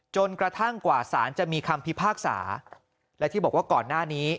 จนกระทั่งกว่าสารจะมีคำพิพากษาและที่บอกว่าก่อนหน้านี้